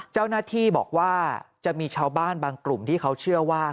เจ้าหน้าที่บอกว่าจะมีชาวบ้านบางกลุ่มที่เขาเชื่อว่า